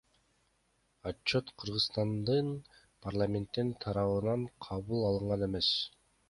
Отчет Кыргызстандын парламенти тарабынан кабыл алынган эмес.